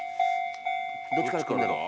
どっちから来るんだろう。